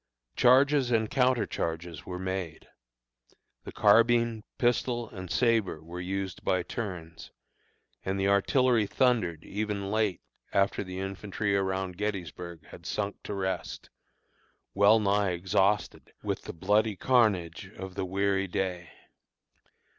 Charges and counter charges were made; the carbine, pistol, and sabre were used by turns, and the artillery thundered even late after the infantry around Gettysburg had sunk to rest, well nigh exhausted with the bloody carnage of the weary day.